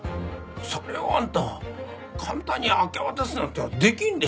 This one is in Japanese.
それをあんた簡単に明け渡すなんてできんでしょう。